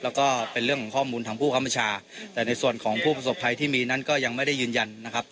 แล้วก็เป็นเรื่องของข้อมูลทางผู้คำบัญชาแต่ในส่วนของผู้ประสบภัยที่มีนั้นก็ยังไม่ได้ยืนยันนะครับ